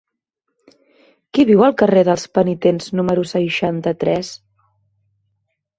Qui viu al carrer dels Penitents número seixanta-tres?